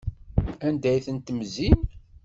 Anda ay tent-temzim?